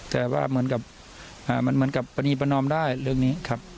แต่ว่าเหมือนกับปรณีประนอมได้เรื่องนี้ครับ